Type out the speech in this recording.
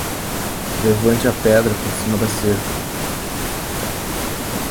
Levante a pedra por cima da cerca.